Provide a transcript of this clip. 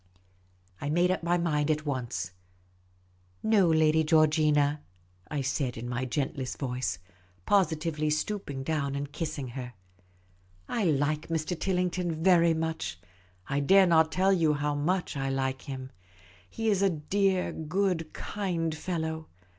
I made up my mind at once. " No, Lady Georgina," I said, in my gentlest voice — positively stooping down and kissing her. " I like Mr. Tillington very much. I dare not tell you how much I like him. He is a dear, good, kind fellow.